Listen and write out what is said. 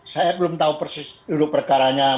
saya belum tahu persis dulu perkaranya